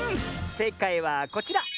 せいかいはこちら！